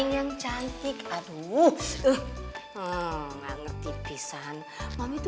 ya enggak saat itu kalau begitu